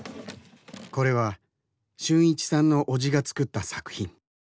これは春一さんの叔父が作った作品。